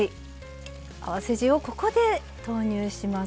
合わせ地をここで投入します。